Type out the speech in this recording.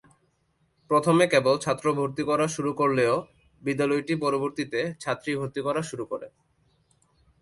প্রথমে কেবল ছাত্র ভর্তি করা শুরু করলেও বিদ্যালয়টি পরবর্তিতে ছাত্রী ভর্তি করা শুরু করে।